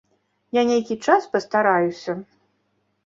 Я нейкі час пастараюся.